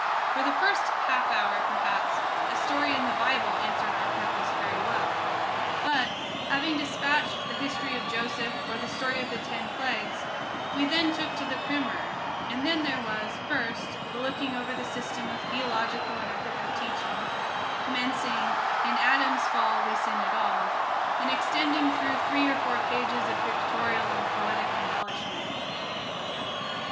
For the first half hour, perhaps, a story in the Bible answered our purpose very well; but, having dispatched the history of Joseph, or the story of the ten plagues, we then took to the Primer: and then there was, first, the looking over the system of theological and ethical teaching, commencing, "In Adam's fall we sinnéd all," and extending through three or four pages of pictorial and poetic embellishment.